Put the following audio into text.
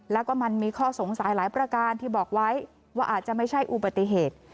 แล้วก็มันมีข้อสงสัยหลายประการที่บอกไว้ว่าอาจจะไม่ใช่อุบัติเหตุ